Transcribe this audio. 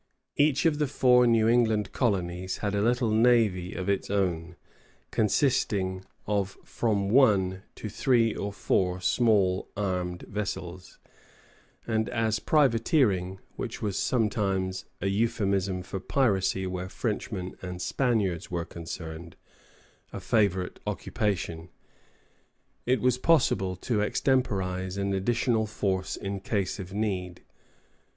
Each of the four New England colonies had a little navy of its own, consisting of from one to three or four small armed vessels; and as privateering which was sometimes a euphemism for piracy where Frenchmen and Spaniards were concerned a favorite occupation, it was possible to extemporize an additional force in case of need.